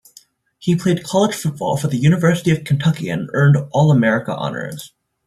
He played college football for the University of Kentucky and earned All-America honors.